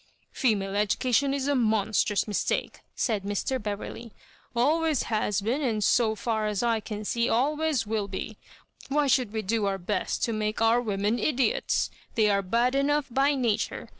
" Female education is a monstrous mistake," said Mr. Beverley —*' always has been, and, so far as I can see, always will be. Why should we do our best to make our women, idiots ? They are bad enough by nature.